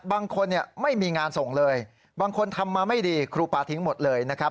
บางคนไม่มีงานส่งเลยบางคนทำมาไม่ดีครูปาทิ้งหมดเลยนะครับ